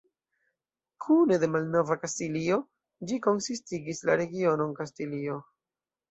Kune de Malnova Kastilio, ĝi konsistigis la regionon Kastilio.